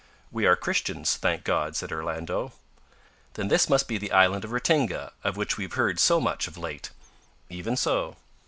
"We are Christians, thank God," said Orlando. "Then this must be the island of Ratinga, of which we have heard so much of late." "Even so."